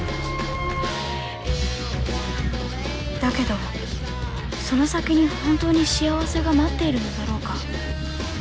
だけどその先に本当に幸せが待っているのだろうか。